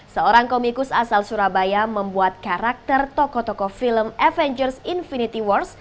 seorang komikus asal surabaya membuat karakter tokoh tokoh film avengers infinity wars